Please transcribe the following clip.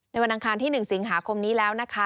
วันอังคารที่๑สิงหาคมนี้แล้วนะคะ